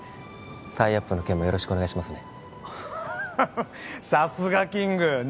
タイアップの件もよろしくお願いしますね